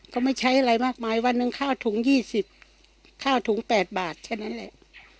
ก็ไม่ใช้อะไรมากมายวันหนึ่งข้าวถุง๒๐ข้าวถุง๘บาทแค่นั้นแหละ